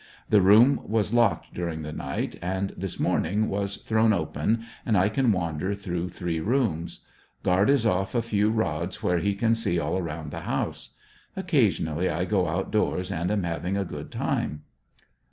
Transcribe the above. The room was locked during the night, and this morning was thrown open, and I can wander through three rooms. Guard is off a few rods where he can see all around the house. Occasionally I go out doors and am having a good time.